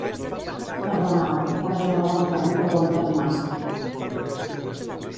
Perdonau, però jo no ho entenc o ho entenc massa.